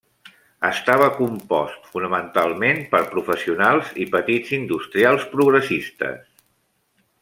Estava compost fonamentalment per professionals i petits industrials progressistes.